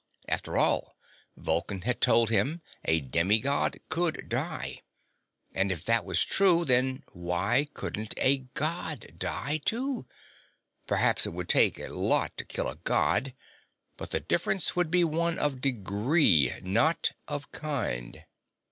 After all, as Vulcan had told him, a demi God could die. And if that was true, then why couldn't a God die too? Perhaps it would take quite a lot to kill a God but the difference would be one of degree, not of kind.